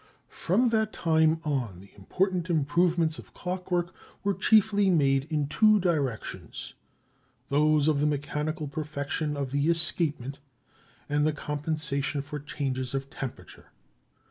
From that time on, the important improvements of clockwork were chiefly made in two directions—those of the mechanical perfection of the escapement and the compensation for changes of temperature.